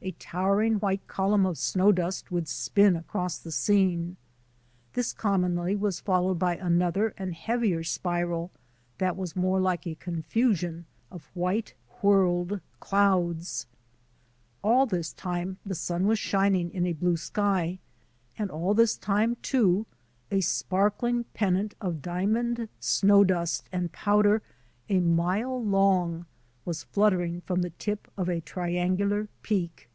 A towering white column of snow dust would spin across the scene. This commonly was followed by another and heavier spiral that was more like a 52 THE ADVENTURES OF A NATURE GUIDE confusion of white whirled clouds. All this time the sun was shining in a blue sky; and all this time, too, a sparkling pennant of diamond snow dust and powder a mile long was fluttering from the tip of a triangular peak.